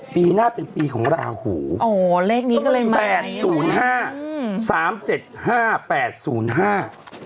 ปีหน้าเป็นปีของราหูอ๋อเลขนี้ก็เลยอยู่แปดศูนย์ห้าอืมสามเจ็ดห้าแปดศูนย์ห้า